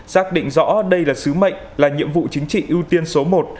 xác định rõ đây là sứ mệnh là nhiệm vụ chính trị ưu tiên số một